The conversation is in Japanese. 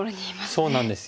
そうなんですよ。